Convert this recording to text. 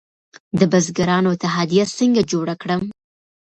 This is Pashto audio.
د بزګرانو اتحادیه څنګه جوړه کړم؟